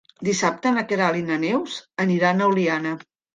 Dissabte na Queralt i na Neus aniran a Oliana.